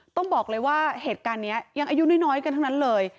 ต้องบอกเลยว่าเหตุการณ์นี้ยังอายุน้อยกันทั้งนั้นเลย